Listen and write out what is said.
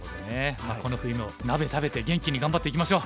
この冬も鍋食べて元気に頑張っていきましょう！